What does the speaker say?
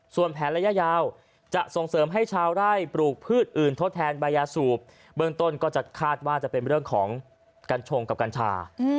ส่วนแผนระยะยาวจะส่งเสริมให้ชาวไร่ปลูกพืชอื่นทดแทนใบยาสูบเบื้องต้นก็จะคาดว่าจะเป็นเรื่องของกัญชงกับกัญชา